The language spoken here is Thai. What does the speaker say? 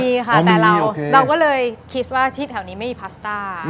มีค่ะแต่เราก็เลยคิดว่าที่แถวนี้ไม่มีพาสต้า